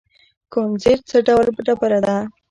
کونزیټ څه ډول ډبره ده؟